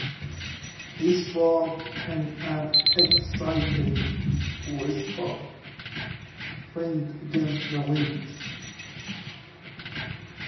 He spoke in an excited whisper, faint against the wind.